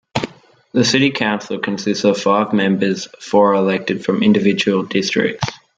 The city council consists of five members four are elected from individual districts.